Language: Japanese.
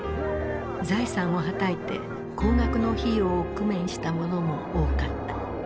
財産をはたいて高額の費用を工面した者も多かった。